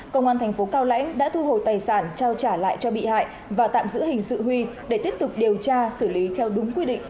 công an thành phố cao lãnh đã thu hồi tài sản trao trả lại cho bị hại và tạm giữ hình sự huy để tiếp tục điều tra xử lý theo đúng quy định